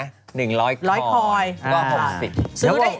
๑๐๐คอยน์เหล้า๖๐ฯ๑๐๐คอยน์เง้อ